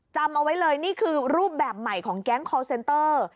จำเอาไว้เลยนี่คือรูปแบบใหม่ของแก๊งคอร์เซนเตอร์